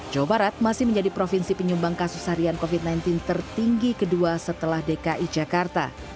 jawa barat masih menjadi provinsi penyumbang kasus harian covid sembilan belas tertinggi kedua setelah dki jakarta